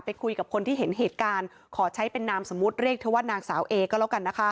คุยกับคนที่เห็นเหตุการณ์ขอใช้เป็นนามสมมุติเรียกเธอว่านางสาวเอก็แล้วกันนะคะ